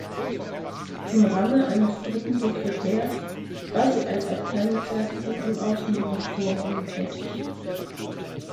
Im Range eines dritten Sekretärs war sie als Abteilungsleiterin im Außenministerium tätig.